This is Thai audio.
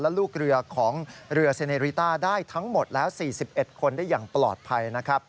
และลูกเรือของเรือเซเนริต้าได้ทั้งหมดแล้ว๔๑คนได้อย่างปลอดภัยนะครับ